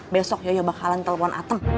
besok yoyoh bakalan telepon atem